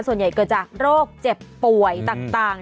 ส่วนใหญ่เกิดจากโรคเจ็บป่วยต่าง